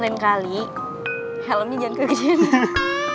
lain kali helmnya jangan kekecilin